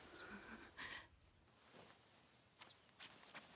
ああ。